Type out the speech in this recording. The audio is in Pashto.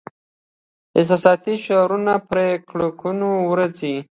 احساساتي شعارونه پر ګړنګونو ورځي.